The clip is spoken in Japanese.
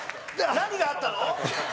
何があったの？